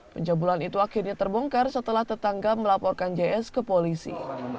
pencabulan itu akhirnya terbongkar setelah tetangga melaporkan js ke polisi